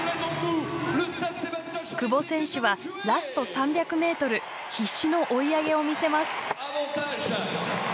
久保選手は、ラスト３００ｍ必死の追い上げを見せます。